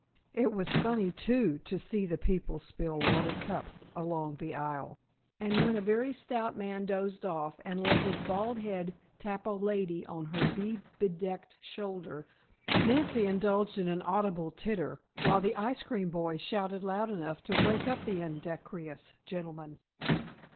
It was funny, too, to see the people spill water cups along the aisle, and when a very stout man dozed off, and let his bald head tap a lady on her bead bedecked shoulder, Nancy indulged in an audible titter while the ice cream boys shouted loud enough to wake up the indecorous gentleman.